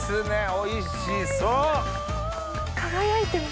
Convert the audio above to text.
おいしそう！